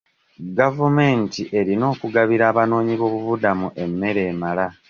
Gavumenti erina okugabira abanoonyi b'obobuddamu emmere emala.